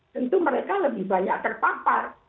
tentu mereka lebih banyak terpapar